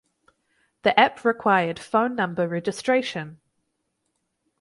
The app required phone number registration.